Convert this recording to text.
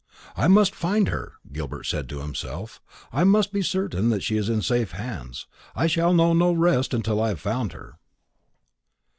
"I must find her," Gilbert said to himself; "I must be certain that she is in safe hands. I shall know no rest till I have found her."